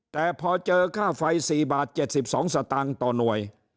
แต่พอเจอค่าไฟ๔บาท๗๒สตางค์ต่อหน่วย